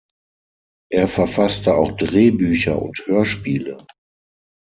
Er verfasste auch Drehbücher und Hörspiele.